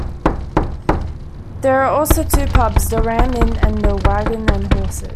There are also two pubs: 'The Ram Inn' and 'The Waggon And Horses'.